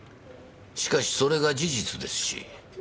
しかしそれが事実ですし。